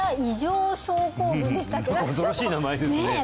ねえ何か恐ろしい名前ですね